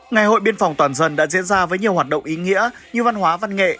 ngày hội biên phòng toàn dân đã diễn ra với nhiều hoạt động ý nghĩa như văn hóa văn nghệ